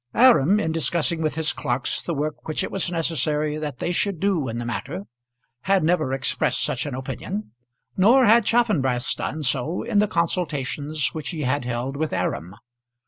Aram, in discussing with his clerks the work which it was necessary that they should do in the matter, had never expressed such an opinion; nor had Chaffanbrass done so in the consultations which he had held with Aram.